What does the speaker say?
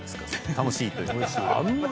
楽しいというか。